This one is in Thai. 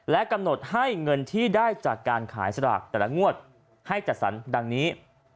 และกำหนดให้เงินที่ได้จากการขายสลากแต่ละงวดให้จัดสรรดังนี้